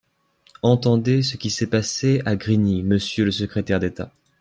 Entendez ce qui s’est passé à Grigny, monsieur le secrétaire d’État